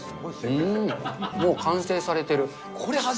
うーん、もう完成されてる。